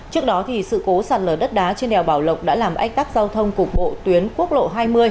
trước đó sự cố sạt lở đất đá trên đèo bảo lộc đã làm ách tắc giao thông cục bộ tuyến quốc lộ hai mươi